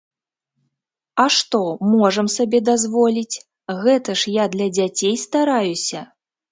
А што, можам сабе дазволіць, гэта ж я для дзяцей стараюся!